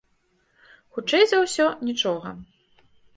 Хутчэй за ўсё, нічога.